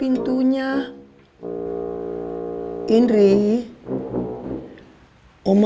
saatnya sama sama main ole